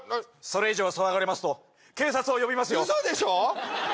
それ以上騒がれますと警察を呼びますよウソでしょ？